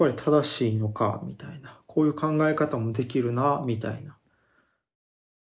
こういう考え方もできるなみたいな。